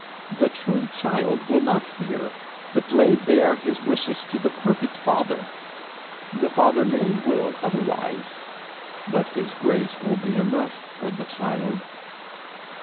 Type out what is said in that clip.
The true child will not fear, but lay bare his wishes to the perfect Father. The Father may will otherwise, but his grace will be enough for the child.